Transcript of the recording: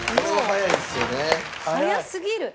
早すぎる！